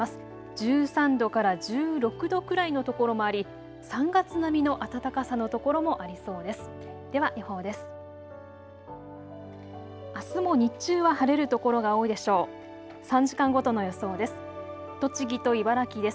１３度から１６度くらいの所もあり、３月並みの暖かさの所もありそうです。